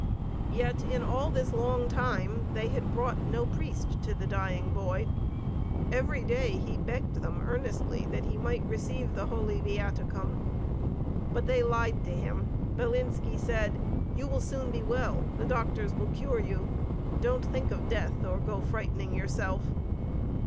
Yet in all this long time they had brought no priest to the dying boy. Every day he begged them earnestly that he might receive the Holy Viaticum. But they lied to him. Bilinski said: "You will soon be well. The doctors will cure you. Don't think of death or go frightening yourself."